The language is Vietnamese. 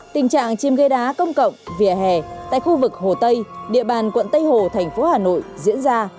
tình trạng chiêm ghế đá công cộng vỉa hè tại khu vực hồ tây địa bàn quận tây hồ thành phố hà nội diễn ra